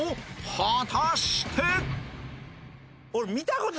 果たして